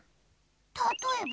たとえば？